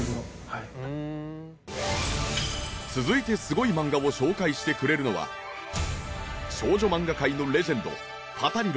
続いてすごい漫画を紹介してくれるのは少女漫画界のレジェンド『パタリロ！』